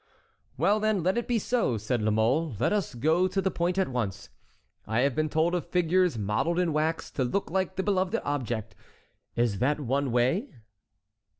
"Well, then, let it be so," said La Mole, "let us go to the point at once. I have been told of figures modelled in wax to look like the beloved object. Is that one way?"